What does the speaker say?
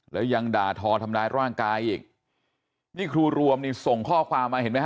แล้วยังด่าทอทำร้ายร่างกายอีกนี่ครูรวมนี่ส่งข้อความมาเห็นไหมฮ